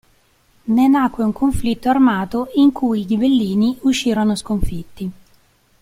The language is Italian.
Ne nacque un conflitto armato in cui i ghibellini uscirono sconfitti.